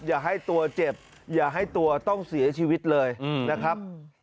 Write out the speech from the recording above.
อย่าให้ตัวเจ็บอย่าให้ตัวต้องเสียชีวิตเลยนะครับ